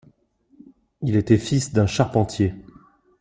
Il était fils d'un charpentier.